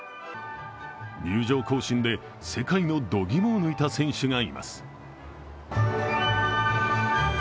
入場行進で世界のどぎもを抜いた選手がいます。